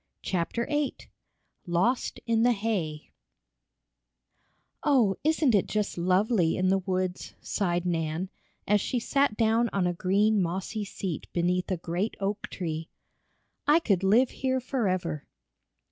CHAPTER VIII LOST IN THE HAY "Oh, isn't it just lovely in the woods," sighed Nan, as she sat down on a green mossy seat beneath a great oak tree. "I could live here forever!"